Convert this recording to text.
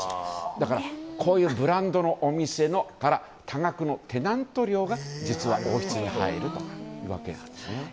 だからこういうブランドのお店から多額のテナント料が実は王室に入るというわけなんですね。